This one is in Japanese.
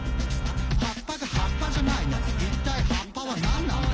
「葉っぱが葉っぱじゃないなら一体葉っぱはなんなんだ？」